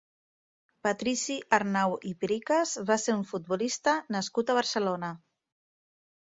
Patrici Arnau i Pericas va ser un futbolista nascut a Barcelona.